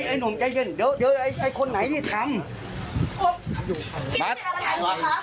ไอ้หนุ่มใจเย็นเดี๋ยวไอ้คนไหนนี่ทำ